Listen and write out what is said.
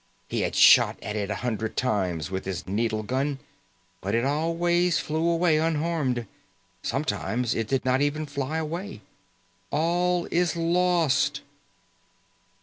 _" He had shot at it a hundred times with his needle gun, but always it flew away unharmed. Sometimes it did not even fly away. "_All is lost!